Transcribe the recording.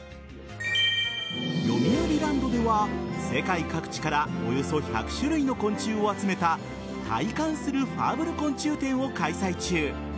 よみうりランドでは世界各地からおよそ１００種類の昆虫を集めた体感するファーブル昆虫展を開催中。